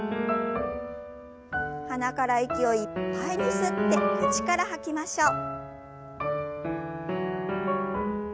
鼻から息をいっぱいに吸って口から吐きましょう。